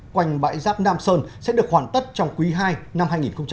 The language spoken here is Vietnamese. quanh bãi rác nam sơn sẽ được hoàn tất trong quý ii năm hai nghìn một mươi chín